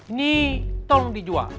ini tolong dijual